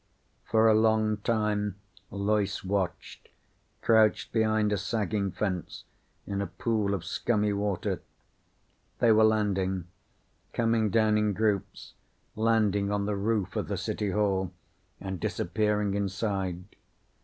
For a long time Loyce watched, crouched behind a sagging fence in a pool of scummy water. They were landing. Coming down in groups, landing on the roof of the City Hall and disappearing inside.